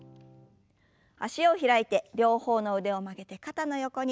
脚を開いて両方の腕を曲げて肩の横に。